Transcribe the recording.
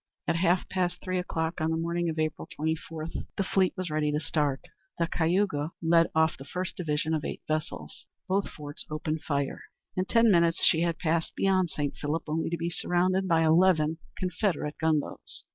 At half past three o'clock on the morning of April 24, the fleet was ready to start. The Cayuga led off the first division of eight vessels. Both forts opened fire. In ten minutes she had passed beyond St. Philip only to be surrounded by eleven Confederate gunboats.